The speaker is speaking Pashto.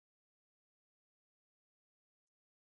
پکتیکا د افغانستان د طبعي سیسټم توازن ساتي.